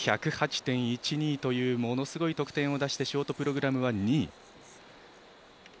１０８．１２というものすごい得点を出したショートプログラムは２位。